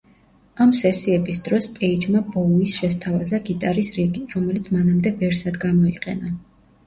ამ სესიების დროს პეიჯმა ბოუის შესთავაზა გიტარის რიგი, რომელიც მანამდე ვერსად გამოიყენა.